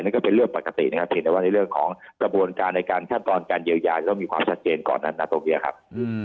นั่นก็เป็นเรื่องปกตินะครับเห็นไหมว่าในเรื่องของสบวนการในการขั้นตอนการเยียวยาจะต้องมีความชัดเจนก่อนอันโนโลเมียครับ